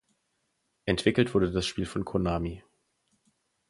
Entwickelt wurde das Spiel von Konami.